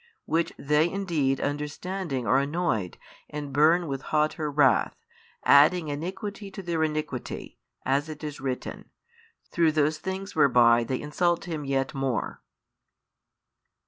Which they indeed understanding are annoyed and burn with hotter wrath, adding iniquity to their iniquity, as it is written, through those things whereby they insult Him yet more.